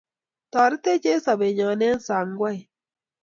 toretech eng sobenyo eng saingwai